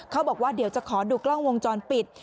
เขาบอกว่าเดี๋ยวจะขอดูกล้องวงจรปิด